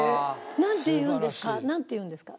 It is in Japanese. なんて言うんですか？